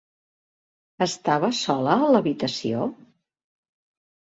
Estava sola a l'habitació?